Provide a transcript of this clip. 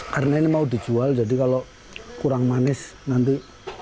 karena ini mau dijual jadi kalau kurang manis nanti